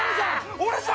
俺じゃ！